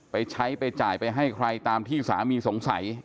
ไปใช้ไปจ่ายไปให้ใครตามที่สามีสงสัย